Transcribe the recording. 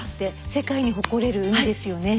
世界に誇れる海ですよね。